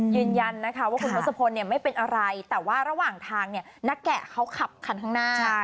ยืนยันว่าทศพลไม่เป็นอะไรแต่ว่าระหว่างทางนักแก่เขาขับคันสร้างหน้า